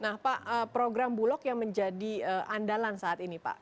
nah pak program bulog yang menjadi andalan saat ini pak